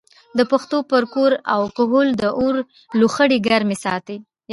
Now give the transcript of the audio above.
د پښتنو پر کور او کهول د اور لوخړې ګرمې ساتي.